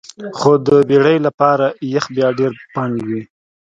خو د بیړۍ لپاره یخ بیا ډیر پنډ وي